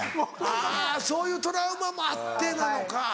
あぁそういうトラウマもあってなのか。